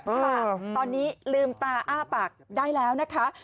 ค่ะตอนนี้ลืมตาอ้าปากได้แล้วนะคะ